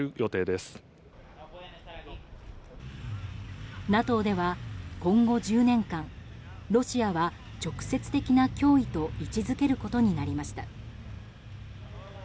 ＮＡＴＯでは今後１０年間ロシアは直接的な脅威と位置付けることになりました。